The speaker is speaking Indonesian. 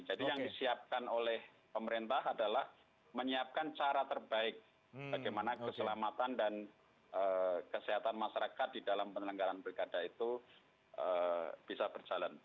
jadi yang disiapkan oleh pemerintah adalah menyiapkan cara terbaik bagaimana keselamatan dan kesehatan masyarakat di dalam penyelenggaraan pilkada itu bisa berjalan